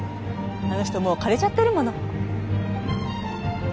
あの人もう枯れちゃってるもの。